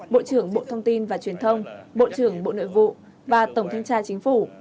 bộ trưởng bộ thông tin và truyền thông bộ trưởng bộ nội vụ và tổng thanh tra chính phủ